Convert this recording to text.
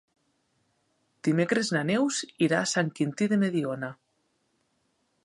Dimecres na Neus irà a Sant Quintí de Mediona.